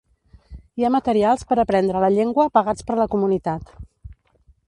Hi ha materials per aprendre la llengua pagats per la comunitat.